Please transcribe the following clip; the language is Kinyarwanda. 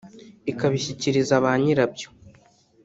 ikabishyikiriza ba nyira byo